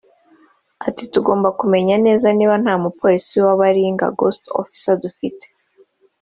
Ati “Tugomba kumenya neza niba nta mupolisi wa baringa (ghost officer) dufite